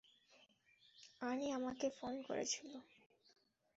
আনি আমাকে ফোন করেছিল।